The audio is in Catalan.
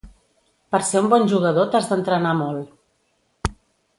Per ser un bon jugador t'has d'entrenar molt.